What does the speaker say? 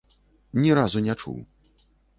Ні разу не чуў.